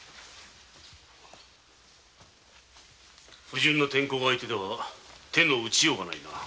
不順の天候相手では手のうちようがないな。